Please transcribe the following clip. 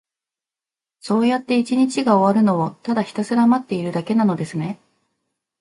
そうやって一日が終わるのを、ただひたすら待っているだけなのですね。